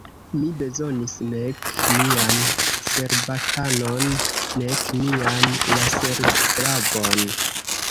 Mi bezonis nek mian cerbatanon, nek mian laserglavon.